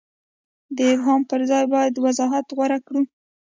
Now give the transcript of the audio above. د ابهام پر ځای باید وضاحت غوره کړو.